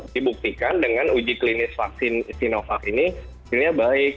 dibuktikan dengan uji klinis vaksin sinovac ini hasilnya baik